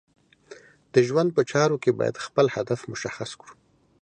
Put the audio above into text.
د ژوند په چارو کې باید خپل هدف مشخص کړو.